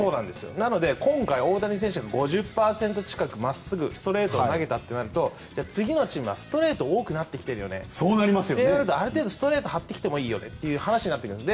なので今回大谷選手が５０％近く真っすぐ、ストレートを投げたとなると次のチームは、ストレートが多くなってきてるよねとなるとそうなるとストレートを張ってもよくなるよねという話になってくるんです。